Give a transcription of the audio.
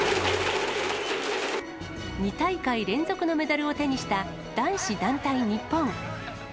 ２大会連続のメダルを手にした男子団体日本。